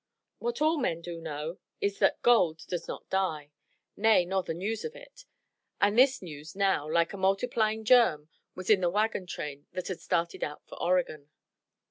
What all men do know is that gold does not die; nay, nor the news of it. And this news now, like a multiplying germ, was in the wagon train that had started out for Oregon.